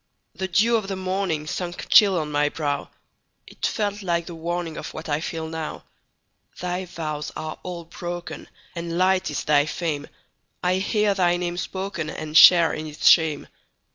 The dew of the morningSunk chill on my brow; It felt like the warningOf what I feel now. Thy vows are all broken, And light is thy fame:I hear thy name spokenAnd share in its shame.